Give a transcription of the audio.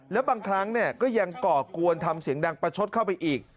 แล้วบางครั้งก็ยังก่อกวนทำเสียงดังประชดเข้าไปอีก